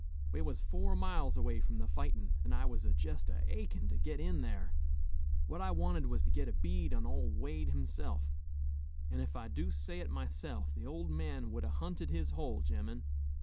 We was four miles away from the fightin,' an' I was jest a achin' to git in thar. What I wanted was to git a bead on ol' Wade himself, an' ef I do say it myself, the ol' man would 'a' hunted his hole, gemmen.